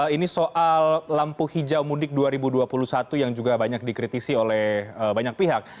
ini soal lampu hijau mudik dua ribu dua puluh satu yang juga banyak dikritisi oleh banyak pihak